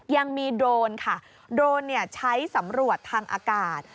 โดรนค่ะโดรนใช้สำรวจทางอากาศ